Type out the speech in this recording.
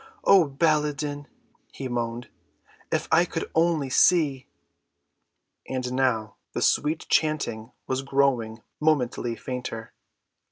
"Oh, Baladan," he moaned, "if I could only see!" And now the sweet chanting was growing momently fainter.